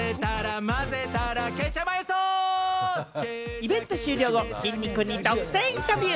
イベント終了後、きんに君に独占インタビュー！